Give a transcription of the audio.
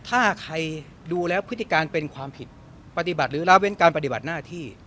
ถ้าใครดูแล้วพฤติการเป็นความผิดปฏิบัติหรือละเว้นการปฏิบัติหน้าที่